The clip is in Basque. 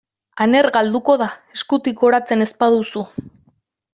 Aner galduko da eskutik oratzen ez baduzu.